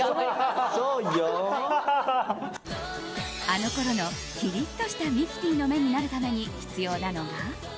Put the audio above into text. あのころの、きりっとしたミキティの目になるために必要なのが。